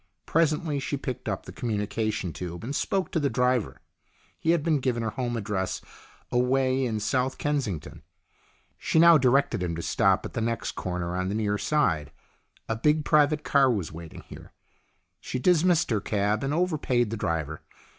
Presently she picked up the communication tube and spoke to the driver. He had been given her home address 134 HER PEOPLE 135 away in South Kensington. She now directed him to stop at the next corner on the near side. A big private car was waiting here. She dismissed her cab and overpaid the driver.